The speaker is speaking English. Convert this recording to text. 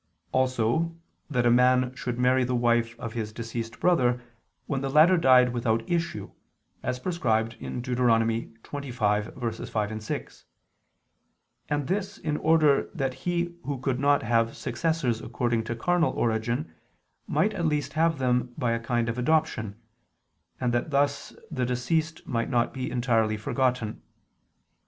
Also that a man should marry the wife of his deceased brother when the latter died without issue, as prescribed in Deut. 25:5, 6: and this in order that he who could not have successors according to carnal origin, might at least have them by a kind of adoption, and that thus the deceased might not be entirely forgotten.